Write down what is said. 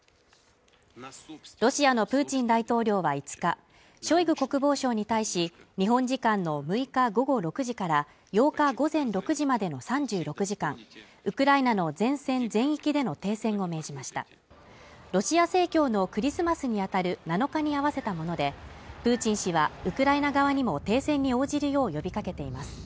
ロシアのプーチン大統領は５日ショイグ国防相に対し日本時間の６日午後６時から８日午前６時までの３６時間ウクライナの前線全域での停戦を命じましたロシア正教のクリスマスにあたる７日に合わせたものでプーチン氏はウクライナ側にも停戦に応じるよう呼びかけています